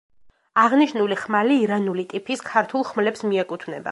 აღნიშნული ხმალი ირანული ტიპის ქართულ ხმლებს მიეკუთვნება.